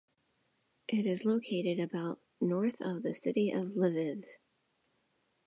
It is located about north of the city of Lviv.